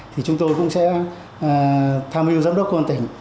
thì chúng tôi cũng sẽ tham mưu giám đốc công an tỉnh